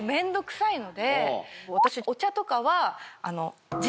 私お茶とかは。